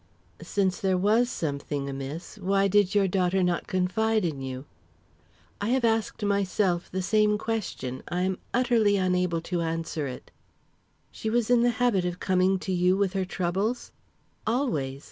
"Since there was something amiss, why did your daughter not confide in you?" "I have asked myself the same question. I am utterly unable to answer it." "She was in the habit of coming to you with her troubles?" "Always.